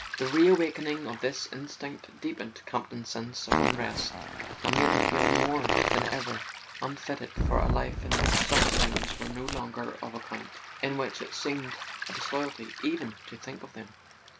The reawakening of this instinct deepened Campton's sense of unrest, and made him feel more than ever unfitted for a life in which such things were no longer of account, in which it seemed a disloyalty even to think of them.